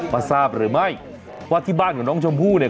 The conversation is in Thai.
ทราบหรือไม่ว่าที่บ้านของน้องชมพู่เนี่ย